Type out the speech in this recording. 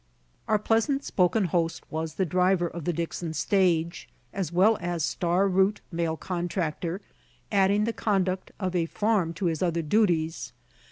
Our pleasant spoken host was the driver of the Dixon stage, as well as star route mail contractor, adding the conduct of a farm to his other duties.